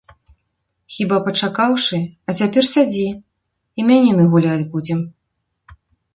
Хіба пачакаўшы, а цяпер сядзі, імяніны гуляць будзем.